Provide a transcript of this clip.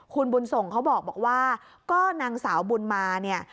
คุณบุญส่งเขาบอกว่าก็นางสาวบุญมาเนี่ย